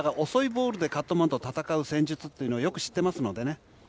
だから遅いボールでカットマンと戦う戦術というのをよく知ってますのでね。